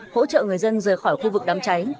hỗ trợ người dân rời khỏi khu vực đám cháy